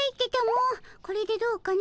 これでどうかの。